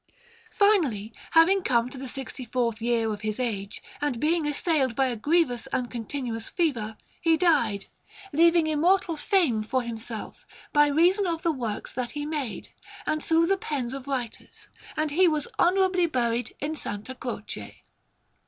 Finally, having come to the sixty fourth year of his age, and being assailed by a grievous and continuous fever, he died, leaving immortal fame for himself by reason of the works that he made, and through the pens of writers; and he was honourably buried in S. Croce.